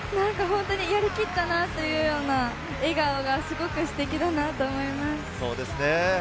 やりきったなというような笑顔がすごくステキだなと思います。